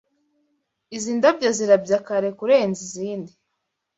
Izi ndabyo zirabya kare kurenza izindi.